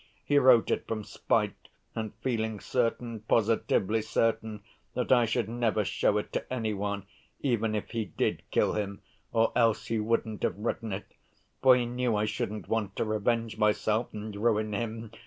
He wrote it from spite, and feeling certain, positively certain, that I should never show it to any one, even if he did kill him, or else he wouldn't have written it. For he knew I shouldn't want to revenge myself and ruin him!